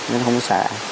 nó không sợ